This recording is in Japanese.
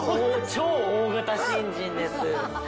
超大型新人です。